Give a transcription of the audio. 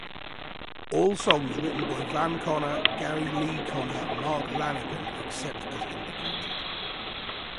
All songs written by Van Conner, Gary Lee Conner, Mark Lanegan except as indicated.